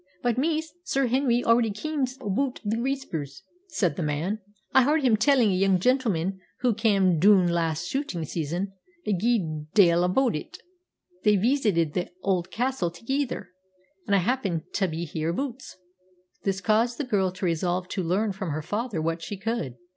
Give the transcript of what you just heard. "But, miss, Sir Henry already kens a' aboot the Whispers," said the man. "I h'ard him tellin' a young gentleman wha cam' doon last shootin' season a guid dale aboot it. They veesited the auld castle thegither, an' I happened tae be hereaboots." This caused the girl to resolve to learn from her father what she could.